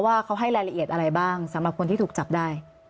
ว่าเขาให้รายละเอียดอะไรบ้างสำหรับคนที่ถูกจับได้